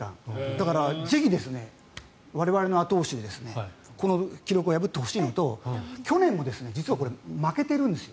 だから、ぜひ我々の後押しでこの記録を破ってほしいのと去年も実は負けてるんです。